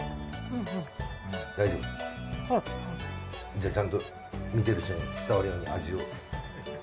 じゃあちゃんと見てる人に伝わるように味を。